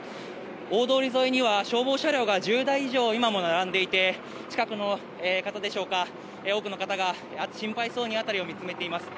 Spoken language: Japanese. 大通り沿いには消防車両が１０台以上、今も並んでいて、近くの方でしょうか、多くの方が心配そうに辺りを見つめています。